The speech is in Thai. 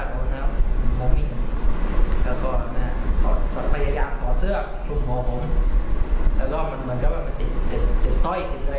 ผมก็ไม่รู้ไว้จังหวะนั้นอ่ะแล้วตอนใส่มาเห็นที่โดนโดนรู้แม้ว่ามันเกิดอะไรขึ้น